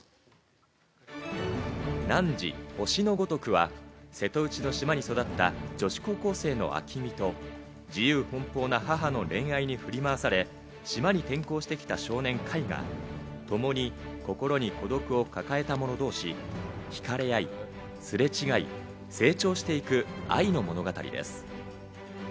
『汝、星のごとく』は瀬戸内の島に育った女子高校生の暁海と、自由奔放な母の恋愛に振り回され島に転校してきた少年・櫂がともに心に孤独を抱えた者同士、ひかれ合い、すれ違い、成長していく愛の物語です。